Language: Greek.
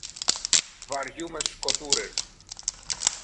Βαριούμαι σκοτούρες.